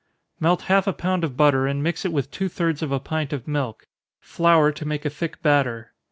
_ Melt half a pound of butter, and mix it with two thirds of a pint of milk flour to make a thick batter.